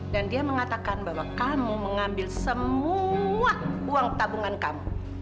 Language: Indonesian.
dan dia mengatakan bahwa kamu mengambil semua uang tabungan kamu